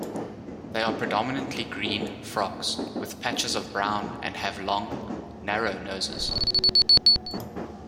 They are predominantly green frogs, with patches of brown, and have long, narrow noses.